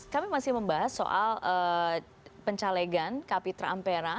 kami masih membahas soal pencalegan kapitra ampera